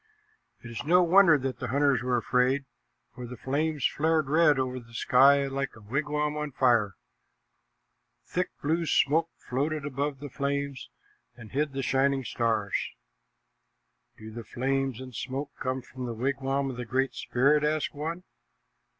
It is no wonder that the hunters were afraid, for the flames flared red over the sky like a wigwam on fire. Thick, blue smoke floated above the flames and hid the shining stars. "Do the flames and smoke come from the wigwam of the Great Spirit?" asked one.